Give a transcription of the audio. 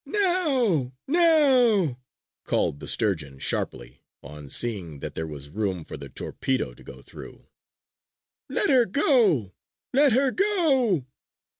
"Now! Now!" called the Sturgeon sharply, on seeing that there was room for the torpedo to go through. "Let her go! Let her go!"